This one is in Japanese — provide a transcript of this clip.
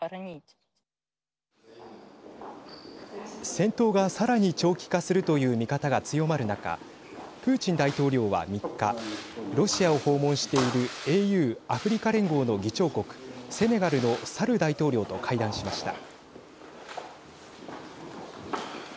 戦闘がさらに長期化するという見方が強まる中プーチン大統領は３日ロシアを訪問しているＡＵ＝アフリカ連合の議長国セネガルのサル大統領と会談しました。